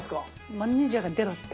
マネージャーが出ろって。